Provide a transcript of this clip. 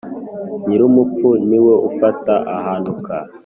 Nyirumupfu ni we ufata ahanuka.